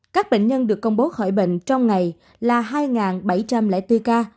các bệnh nhân được công bố khỏi bệnh trong ngày là hai bảy trăm linh bốn ca